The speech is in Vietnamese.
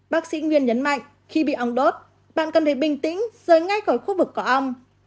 bác sĩ nguyên nhấn mạnh khi bị ong đốt bạn cần phải bình tĩnh rời ngay khỏi khu vực có ong